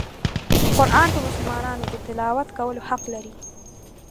قرآن په مسلمانانو د تلاوت کولو حق لري.